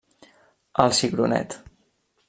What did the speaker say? El Cigronet.